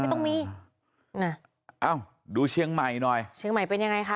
ต้องมีน่ะเอ้าดูเชียงใหม่หน่อยเชียงใหม่เป็นยังไงคะ